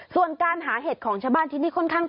ส่วนการหาเห็ดของชาวบ้านที่นี่ค่อนข้าง